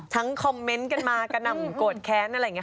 คอมเมนต์กันมากระหน่ำโกรธแค้นอะไรอย่างนี้